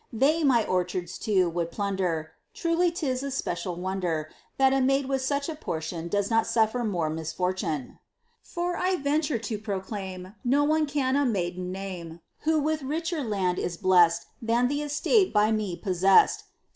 They, my orchards too, would plunder, Truly 'tis a special wonder, That a maid with such a portion Does not suffer more misfortune: For, I venture to proclaim, No one can a maiden name Who with richer land is blessed Than th' estate by me possessed.